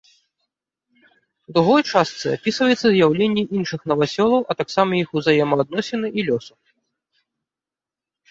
У другой частцы, апісваецца з'яўленне іншых навасёлаў, а таксама іх узаемаадносіны і лёсу.